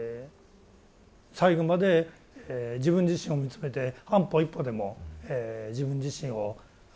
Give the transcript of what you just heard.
最後まで自分自身を見つめて半歩一歩でも自分自身を高めていく。